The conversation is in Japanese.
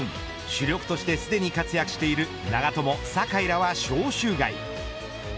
主力としてすでに活躍している長友酒井らは招集外。